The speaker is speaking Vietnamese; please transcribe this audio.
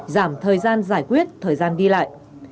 giảm thời gian giải quyết thời gian đi lại